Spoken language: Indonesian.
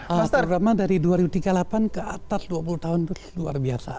terutama dari dua ribu tiga puluh delapan ke atas dua puluh tahun itu luar biasa